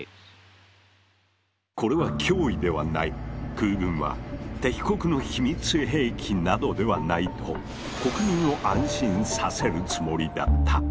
空軍は敵国の秘密兵器などではないと国民を安心させるつもりだった。